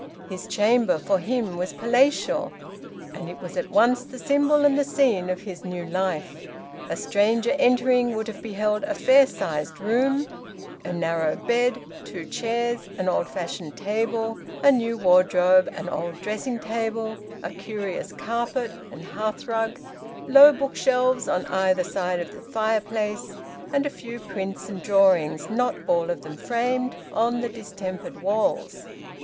His chamber, for him, was palatial, and it was at once the symbol and the scene of his new life. A stranger entering would have beheld a fair sized room, a narrow bed, two chairs, an old fashioned table, a new wardrobe, an old dressing table, a curious carpet and hearthrug, low bookshelves on either side of the fireplace, and a few prints and drawings, not all of them framed, on the distempered walls.